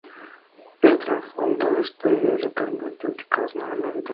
El trasfondo es previo a la tormenta del caos nuevamente.